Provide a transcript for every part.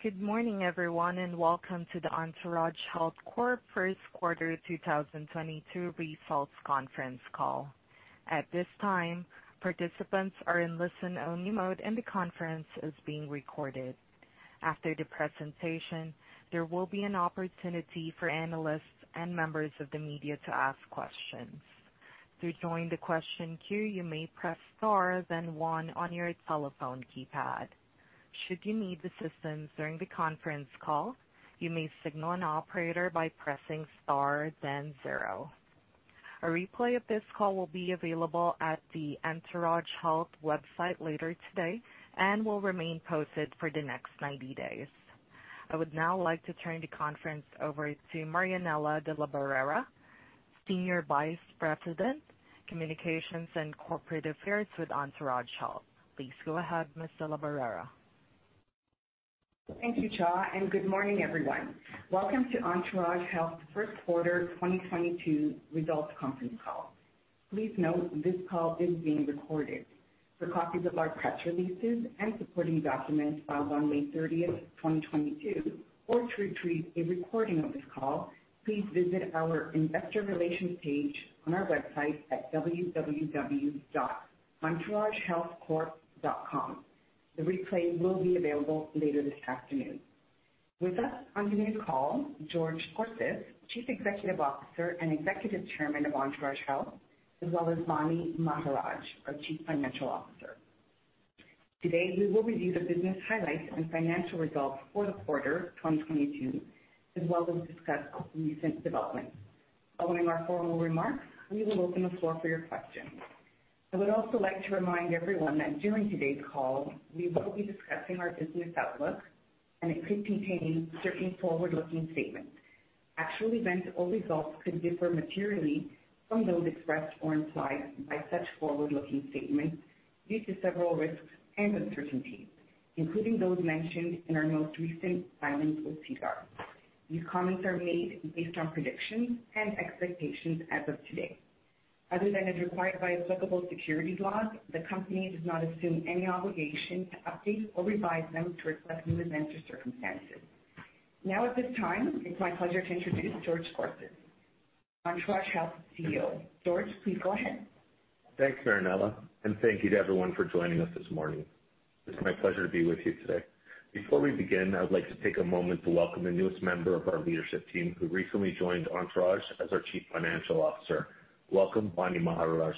Good morning everyone, and welcome to the Entourage Health Corp. first quarter 2022 results conference call. At this time, participants are in listen-only mode, and the conference is being recorded. After the presentation, there will be an opportunity for analysts and members of the media to ask questions. To join the question queue, you may press Star then one on your telephone keypad. Should you need assistance during the conference call, you may signal an operator by pressing Star then zero. A replay of this call will be available at the Entourage Health website later today and will remain posted for the next 90 days. I would now like to turn the conference over to Marianella delaBarrera, Senior Vice President, Communications & Corporate Affairs with Entourage Health. Please go ahead, Ms. delaBarrera. Thank you, Cha, and good morning, everyone. Welcome to Entourage Health first quarter 2022 results conference call. Please note this call is being recorded. For copies of our press releases and supporting documents filed on May 30, 2022, or to retrieve a recording of this call, please visit our investor relations page on our website at www.entouragehealthcorp.com. The replay will be available later this afternoon. With us on today's call, George Scorsis, Chief Executive Officer and Executive Chairman of Entourage Health, as well as Vaani Maharaj, our Chief Financial Officer. Today, we will review the business highlights and financial results for the quarter 2022, as well as discuss recent developments. Following our formal remarks, we will open the floor for your questions. I would also like to remind everyone that during today's call, we will be discussing our business outlook, and it could contain certain forward-looking statements. Actual events or results could differ materially from those expressed or implied by such forward-looking statements due to several risks and uncertainties, including those mentioned in our most recent filings with SEDAR. These comments are made based on predictions and expectations as of today. Other than as required by applicable securities laws, the company does not assume any obligation to update or revise them to reflect new events or circumstances. Now, at this time, it's my pleasure to introduce George Scorsis, Entourage Health CEO. George, please go ahead. Thanks, Marianella, and thank you to everyone for joining us this morning. It's my pleasure to be with you today. Before we begin, I would like to take a moment to welcome the newest member of our leadership team, who recently joined Entourage as our Chief Financial Officer. Welcome, Vaani Maharaj.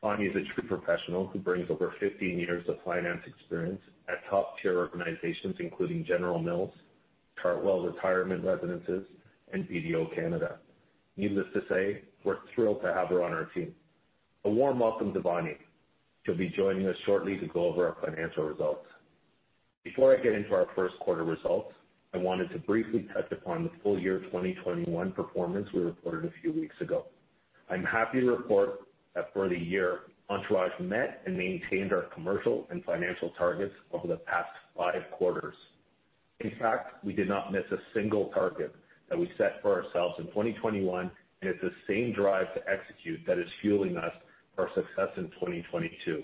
Vaani is a true professional who brings over 15 years of finance experience at top-tier organizations, including General Mills, Chartwell Retirement Residences, and BDO Canada. Needless to say, we're thrilled to have her on our team. A warm welcome to Vaani. She'll be joining us shortly to go over our financial results. Before I get into our first quarter results, I wanted to briefly touch upon the full year 2021 performance we reported a few weeks ago. I'm happy to report that for the year, Entourage met and maintained our commercial and financial targets over the past five quarters. In fact, we did not miss a single target that we set for ourselves in 2021, and it's the same drive to execute that is fueling us for success in 2022.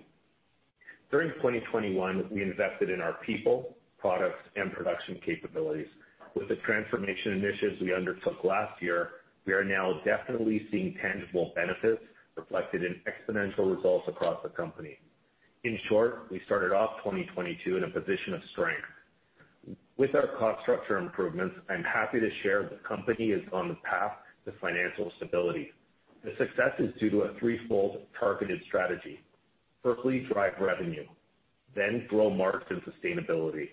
During 2021, we invested in our people, products, and production capabilities. With the transformation initiatives we undertook last year, we are now definitely seeing tangible benefits reflected in exponential results across the company. In short, we started off 2022 in a position of strength. With our cost structure improvements, I'm happy to share the company is on the path to financial stability. The success is due to a threefold targeted strategy. Firstly, drive revenue, then grow margin sustainability,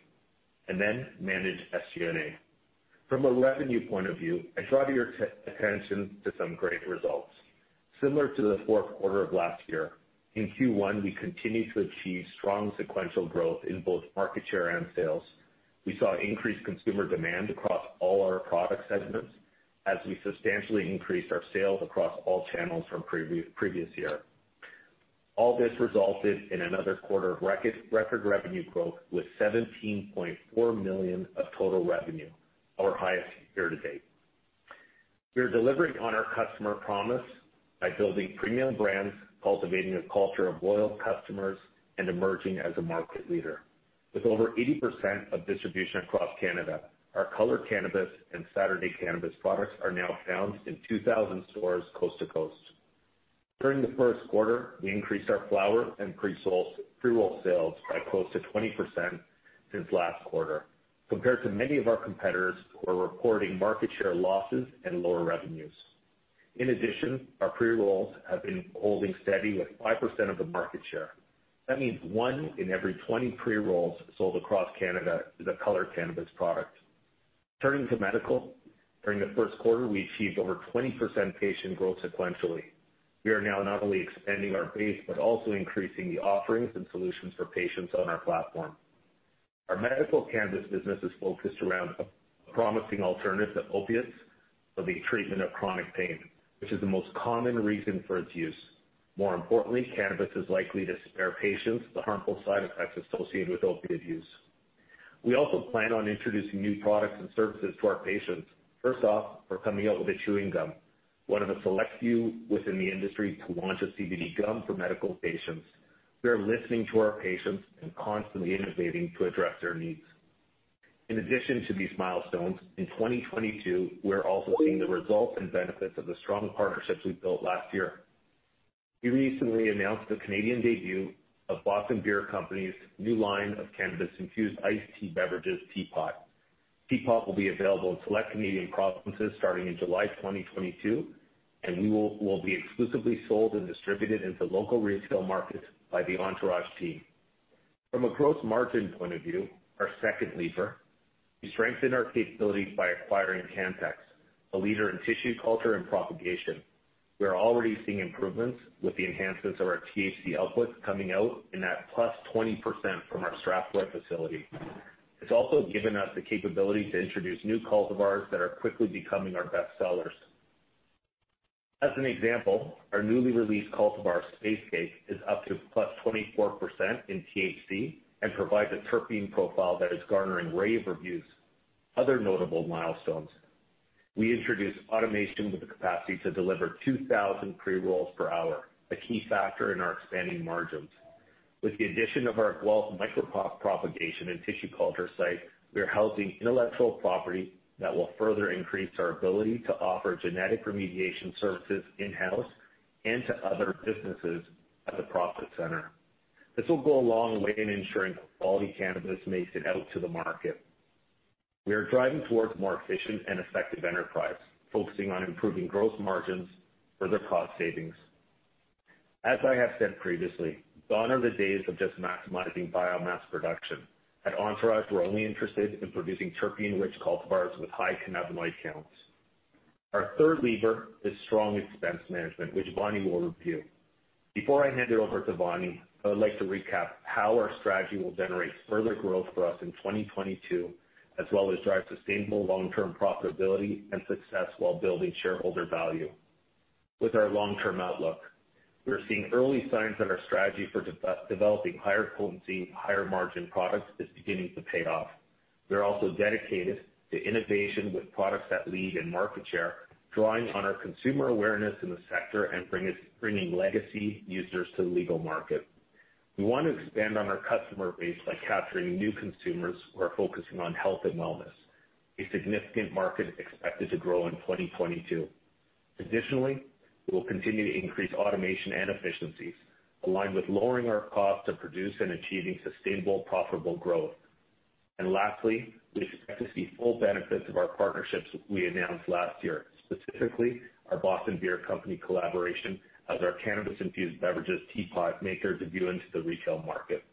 and then manage SG&A. From a revenue point of view, I draw your attention to some great results. Similar to the fourth quarter of last year, in Q1, we continued to achieve strong sequential growth in both market share and sales. We saw increased consumer demand across all our product segments as we substantially increased our sales across all channels from previous year. All this resulted in another quarter of record revenue growth with 17.4 million of total revenue, our highest year to date. We are delivering on our customer promise by building premium brands, cultivating a culture of loyal customers, and emerging as a market leader. With over 80% of distribution across Canada, our Color Cannabis and Saturday Cannabis products are now found in 2,000 stores coast to coast. During the first quarter, we increased our flower and pre-roll sales by close to 20% since last quarter, compared to many of our competitors who are reporting market share losses and lower revenues. In addition, our pre-rolls have been holding steady with 5% of the market share. That means one in every 20 pre-rolls sold across Canada is a Color Cannabis product. Turning to medical, during the first quarter, we achieved over 20% patient growth sequentially. We are now not only expanding our base, but also increasing the offerings and solutions for patients on our platform. Our medical cannabis business is focused around a promising alternative to opiates for the treatment of chronic pain, which is the most common reason for its use. More importantly, cannabis is likely to spare patients the harmful side effects associated with opiate use. We also plan on introducing new products and services to our patients. First off, we're coming out with a chewing gum. One of a select few within the industry to launch a CBD gum for medical patients. We are listening to our patients and constantly innovating to address their needs. In addition to these milestones, in 2022, we're also seeing the results and benefits of the strong partnerships we built last year. We recently announced the Canadian debut of The Boston Beer Company's new line of cannabis-infused iced tea beverages, TeaPot. TeaPot will be available in select Canadian provinces starting in July 2022, and we will be exclusively sold and distributed into local retail markets by the Entourage team. From a gross margin point of view, our second lever, we strengthened our capabilities by acquiring CannTx, a leader in tissue culture and propagation. We are already seeing improvements with the enhancements of our THC outputs coming out in that +20% from our Strathroy facility. It's also given us the capability to introduce new cultivars that are quickly becoming our best sellers. As an example, our newly released cultivar Space Cake is up to +24% in THC and provides a terpene profile that is garnering rave reviews. Other notable milestones, we introduced automation with the capacity to deliver 2,000 pre-rolls per hour, a key factor in our expanding margins. With the addition of our Guelph micropropagation and tissue culture site, we are housing intellectual property that will further increase our ability to offer genetic remediation services in-house and to other businesses as a profit center. This will go a long way in ensuring quality cannabis makes it out to the market. We are driving towards more efficient and effective enterprise, focusing on improving gross margins, further cost savings. As I have said previously, gone are the days of just maximizing biomass production. At Entourage, we're only interested in producing terpene-rich cultivars with high cannabinoid counts. Our third lever is strong expense management, which Vaani will review. Before I hand it over to Vaani, I would like to recap how our strategy will generate further growth for us in 2022, as well as drive sustainable long-term profitability and success while building shareholder value. With our long-term outlook, we are seeing early signs that our strategy for developing higher potency, higher margin products is beginning to pay off. We're also dedicated to innovation with products that lead in market share, drawing on our consumer awareness in the sector and bringing legacy users to the legal market. We want to expand on our customer base by capturing new consumers who are focusing on health and wellness, a significant market expected to grow in 2022. Additionally, we will continue to increase automation and efficiencies, aligned with lowering our cost to produce and achieving sustainable, profitable growth. Lastly, we expect to see full benefits of our partnerships we announced last year, specifically our The Boston Beer Company collaboration as our cannabis-infused beverages TeaPot make their debut into the retail market.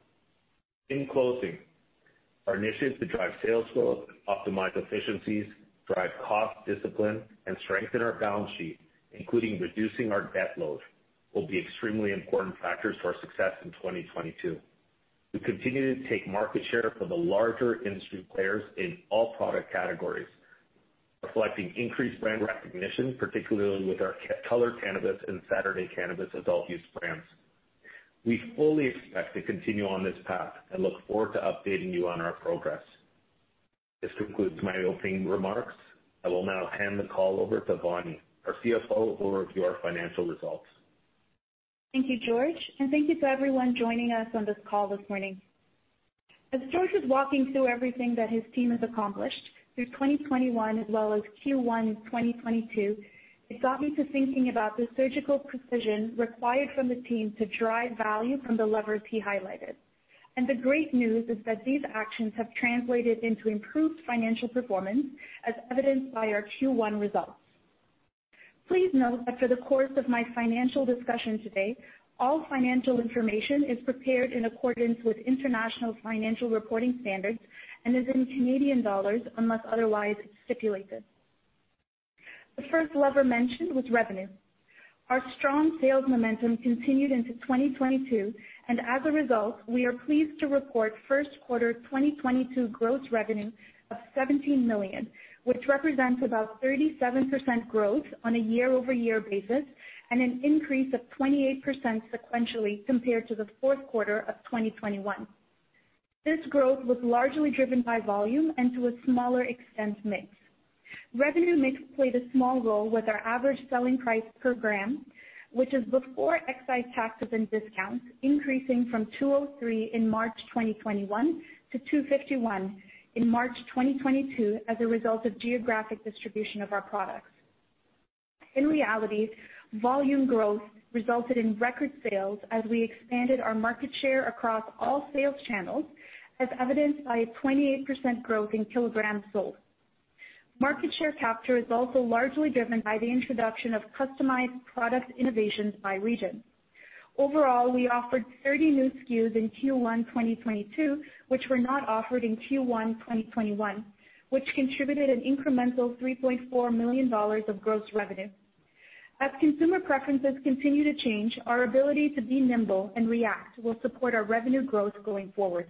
In closing, our initiatives to drive sales growth, optimize efficiencies, drive cost discipline, and strengthen our balance sheet, including reducing our debt load, will be extremely important factors to our success in 2022. We continue to take market share from the larger industry players in all product categories, reflecting increased brand recognition, particularly with our Color Cannabis and Saturday Cannabis adult-use brands. We fully expect to continue on this path and look forward to updating you on our progress. This concludes my opening remarks. I will now hand the call over to Vaani, our CFO, who will review our financial results. Thank you, George, and thank you to everyone joining us on this call this morning. As George was walking through everything that his team has accomplished through 2021 as well as Q1 2022, it got me to thinking about the surgical precision required from the team to drive value from the levers he highlighted. The great news is that these actions have translated into improved financial performance as evidenced by our Q1 results. Please note that for the course of my financial discussion today, all financial information is prepared in accordance with International Financial Reporting Standards and is in Canadian dollars unless otherwise stipulated. The first lever mentioned was revenue. Our strong sales momentum continued into 2022, and as a result, we are pleased to report first quarter 2022 gross revenue of 17 million, which represents about 37% growth on a year-over-year basis and an increase of 28% sequentially compared to the fourth quarter of 2021. This growth was largely driven by volume and to a smaller extent, mix. Revenue mix played a small role with our average selling price per gram, which is before excise taxes and discounts, increasing from 2.03 in March 2021 to 2.51 in March 2022 as a result of geographic distribution of our products. In reality, volume growth resulted in record sales as we expanded our market share across all sales channels, as evidenced by a 28% growth in kilograms sold. Market share capture is also largely driven by the introduction of customized product innovations by region. Overall, we offered 30 new SKUs in Q1 2022 which were not offered in Q1 2021, which contributed an incremental 3.4 million dollars of gross revenue. As consumer preferences continue to change, our ability to be nimble and react will support our revenue growth going forward.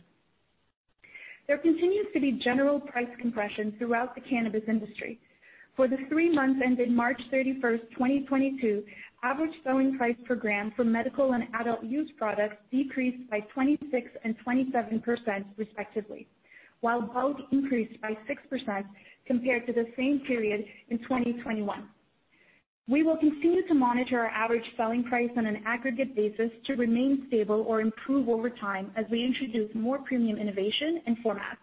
There continues to be general price compression throughout the cannabis industry. For the three months ended March 31st, 2022, average selling price per gram for medical and adult use products decreased by 26% and 27%, respectively, while both increased by 6% compared to the same period in 2021. We will continue to monitor our average selling price on an aggregate basis to remain stable or improve over time as we introduce more premium innovation and formats.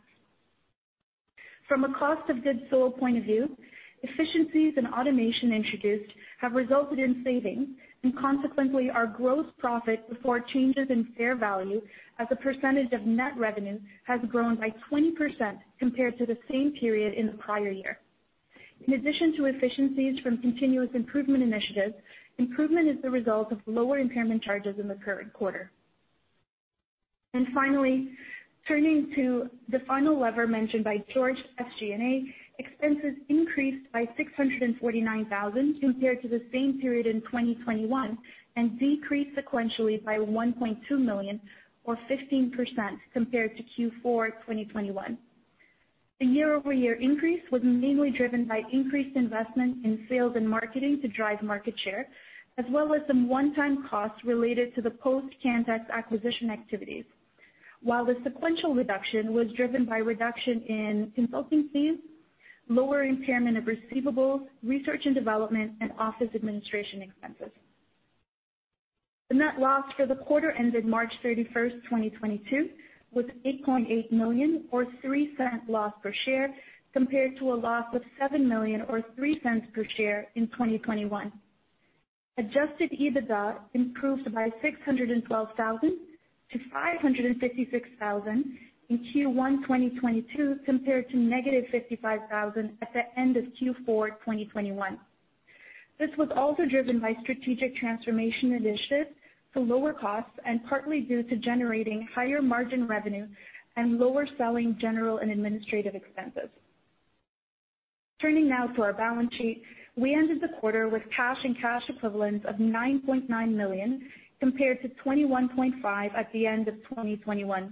From a cost of goods sold point of view, efficiencies and automation introduced have resulted in savings and consequently, our gross profit before changes in fair value as a percentage of net revenue has grown by 20% compared to the same period in the prior year. In addition to efficiencies from continuous improvement initiatives, improvement is the result of lower impairment charges in the current quarter. Finally, turning to the final lever mentioned by George, SG&A expenses increased by 649 thousand compared to the same period in 2021 and decreased sequentially by 1.2 million or 15% compared to Q4 2021. The year-over-year increase was mainly driven by increased investment in sales and marketing to drive market share, as well as some one-time costs related to the post CannTx acquisition activities. While the sequential reduction was driven by a reduction in consulting fees, lower impairment of receivables, research and development, and office administration expenses. The net loss for the quarter ended March 31, 2022 was 8.8 million or 0.03 loss per share, compared to a loss of 7 million or 0.03 per share in 2021. Adjusted EBITDA improved by 612 thousand to 556 thousand in Q1 2022 compared to negative 55 thousand at the end of Q4 2021. This was also driven by strategic transformation initiatives to lower costs and partly due to generating higher margin revenue and lower selling general and administrative expenses. Turning now to our balance sheet. We ended the quarter with cash and cash equivalents of 9.9 million, compared to 21.5 million at the end of 2021.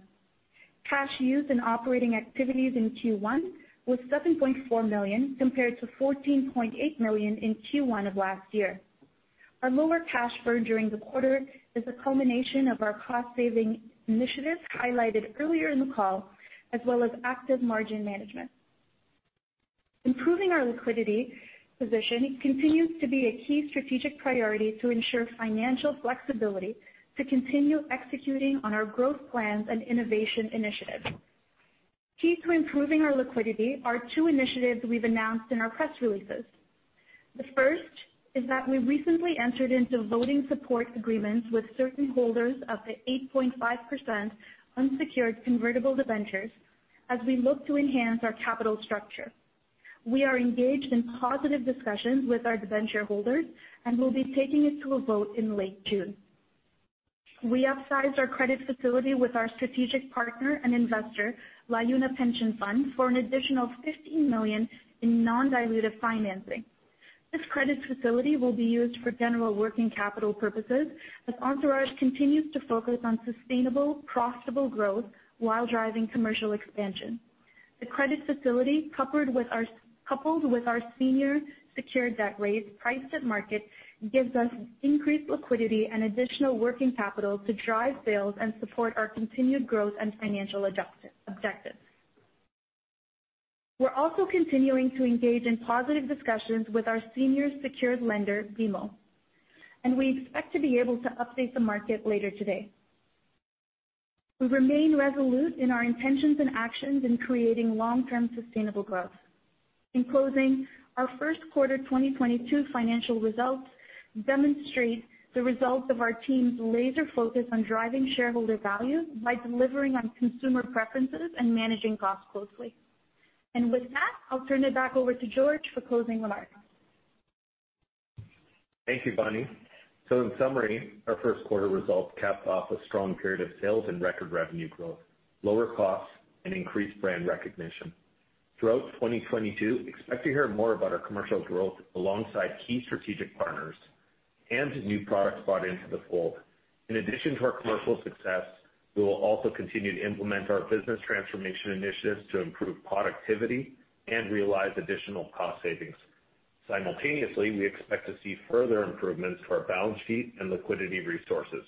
Cash used in operating activities in Q1 was 7.4 million, compared to 14.8 million in Q1 of last year. Our lower cash burn during the quarter is a culmination of our cost-saving initiatives highlighted earlier in the call, as well as active margin management. Improving our liquidity position continues to be a key strategic priority to ensure financial flexibility to continue executing on our growth plans and innovation initiatives. Key to improving our liquidity are two initiatives we've announced in our press releases. The first is that we recently entered into voting support agreements with certain holders of the 8.5% unsecured convertible debentures as we look to enhance our capital structure. We are engaged in positive discussions with our debenture holders and will be taking it to a vote in late June. We upsized our credit facility with our strategic partner and investor, LiUNA Pension Fund, for an additional 15 million in non-dilutive financing. This credit facility will be used for general working capital purposes as Entourage continues to focus on sustainable, profitable growth while driving commercial expansion. The credit facility, coupled with our senior secured debt raise priced at market, gives us increased liquidity and additional working capital to drive sales and support our continued growth and financial objectives. We're also continuing to engage in positive discussions with our senior secured lender, BMO, and we expect to be able to update the market later today. We remain resolute in our intentions and actions in creating long-term sustainable growth. In closing, our first quarter 2022 financial results demonstrate the results of our team's laser focus on driving shareholder value by delivering on consumer preferences and managing costs closely. With that, I'll turn it back over to George for closing remarks. Thank you, Vaani. In summary, our first quarter results capped off a strong period of sales and record revenue growth, lower costs, and increased brand recognition. Throughout 2022, expect to hear more about our commercial growth alongside key strategic partners and new products brought into the fold. In addition to our commercial success, we will also continue to implement our business transformation initiatives to improve productivity and realize additional cost savings. Simultaneously, we expect to see further improvements to our balance sheet and liquidity resources.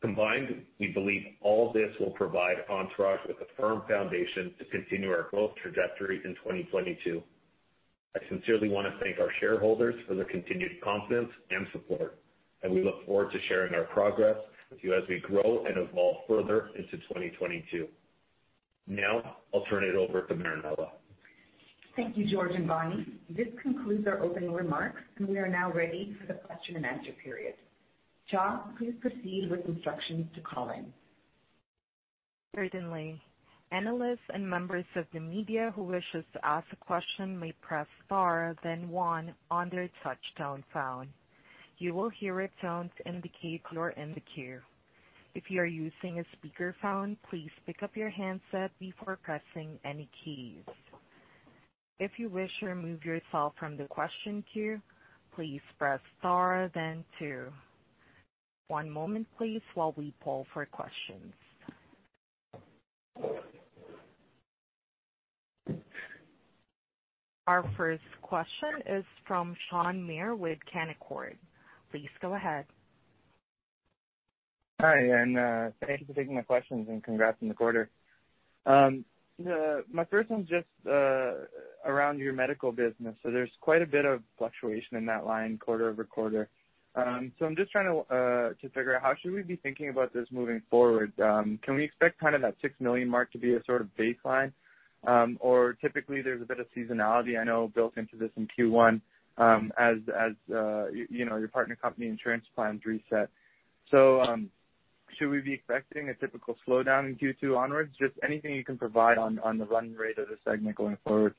Combined, we believe all this will provide Entourage with a firm foundation to continue our growth trajectory in 2022. I sincerely want to thank our shareholders for their continued confidence and support, and we look forward to sharing our progress with you as we grow and evolve further into 2022. Now I'll turn it over to Marianella. Thank you, George and Vaani. This concludes our opening remarks and we are now ready for the question and answer period. Cha, please proceed with instructions to call in. Certainly. Analysts and members of the media who wishes to ask a question may press star then one on their touchtone phone. You will hear a tone to indicate you are in the queue. If you are using a speakerphone, please pick up your handset before pressing any keys. If you wish to remove yourself from the question queue, please press star then two. One moment please while we poll for questions. Our first question is from Sean Muir with Canaccord Genuity. Please go ahead. Hi, thank you for taking my questions, and congrats on the quarter. My first one's just around your medical business. There's quite a bit of fluctuation in that line quarter over quarter. I'm just trying to figure out how should we be thinking about this moving forward. Can we expect kind of that 6 million mark to be a sort of baseline. Typically there's a bit of seasonality, I know, built into this in Q1, as you know, your partner company insurance plans reset. Should we be expecting a typical slowdown in Q2 onwards. Just anything you can provide on the run rate of the segment going forward.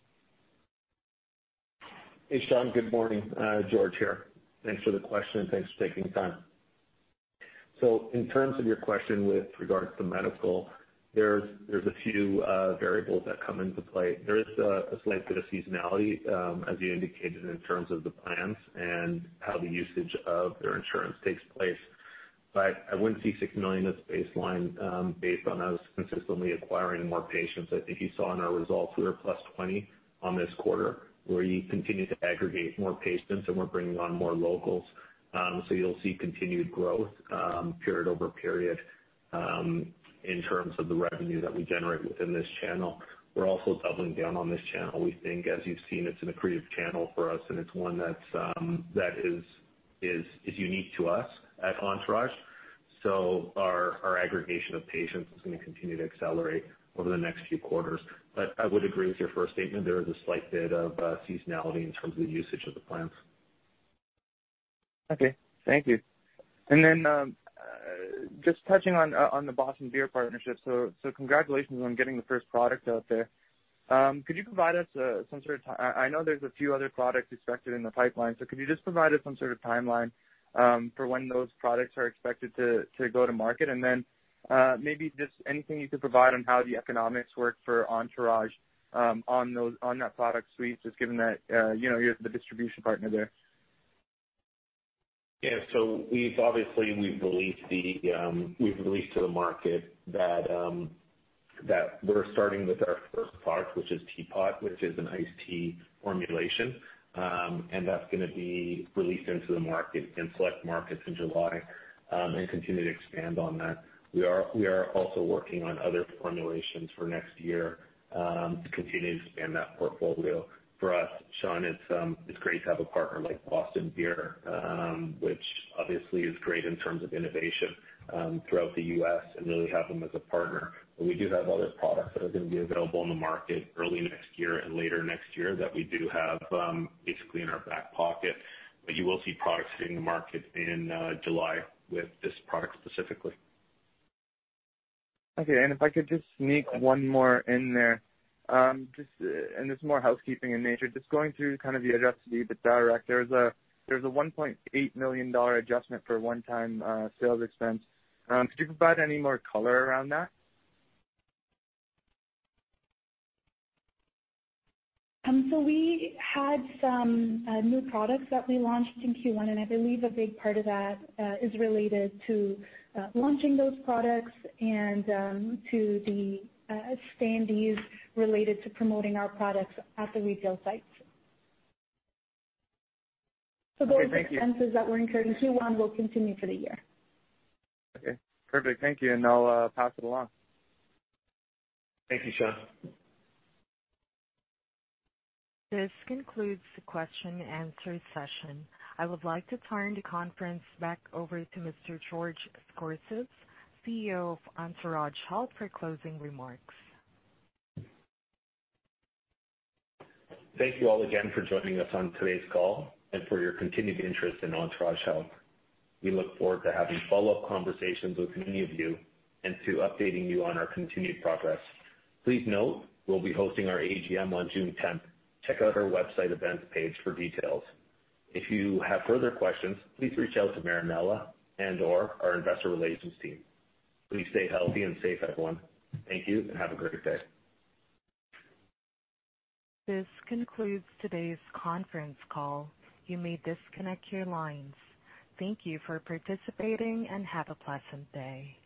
Hey, Sean, good morning. George here. Thanks for the question, and thanks for taking the time. In terms of your question with regards to medical, there's a few variables that come into play. There is a slight bit of seasonality, as you indicated, in terms of the plans and how the usage of their insurance takes place. I wouldn't see 6 million as baseline, based on us consistently acquiring more patients. I think you saw in our results we were +20% on this quarter. We continue to aggregate more patients, and we're bringing on more locals. You'll see continued growth, period over period, in terms of the revenue that we generate within this channel. We're also doubling down on this channel. We think, as you've seen, it's an accretive channel for us, and it's one that's that is unique to us at Entourage. Our aggregation of patients is gonna continue to accelerate over the next few quarters. I would agree with your first statement. There is a slight bit of seasonality in terms of the usage of the plans. Okay. Thank you. Just touching on the Boston Beer partnership. Congratulations on getting the first product out there. I know there's a few other products expected in the pipeline, so could you just provide us some sort of timeline for when those products are expected to go to market? Maybe just anything you could provide on how the economics work for Entourage on that product suite, just given that you know, you're the distribution partner there. Yeah. We've obviously released to the market that we're starting with our first product, which is TeaPot, which is an iced tea formulation. That's gonna be released into the market in select markets in July and continue to expand on that. We are also working on other formulations for next year to continue to expand that portfolio. For us, Sean, it's great to have a partner like Boston Beer, which obviously is great in terms of innovation throughout the U.S. and really have them as a partner. We do have other products that are gonna be available on the market early next year and later next year that we do have basically in our back pocket. You will see products hitting the market in July with this product specifically. Okay. If I could just sneak one more in there. It's more housekeeping in nature. Just going through kind of the adjusted EBITDA, there's a 1.8 million dollar adjustment for one-time sales expense. Could you provide any more color around that? We had some new products that we launched in Q1, and I believe a big part of that is related to launching those products and to the spend used related to promoting our products at the retail sites. Okay. Thank you. Those expenses that were incurred in Q1 will continue for the year. Okay. Perfect. Thank you, and I'll pass it along. Thank you, Sean. This concludes the question and answer session. I would like to turn the conference back over to Mr. George Scorsis, CEO of Entourage Health, for closing remarks. Thank you all again for joining us on today's call and for your continued interest in Entourage Health. We look forward to having follow-up conversations with many of you and to updating you on our continued progress. Please note we'll be hosting our AGM on June tenth. Check out our website events page for details. If you have further questions, please reach out to Marianella and/or our investor relations team. Please stay healthy and safe, everyone. Thank you, and have a great day. This concludes today's conference call. You may disconnect your lines. Thank you for participating, and have a pleasant day.